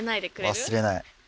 忘れない。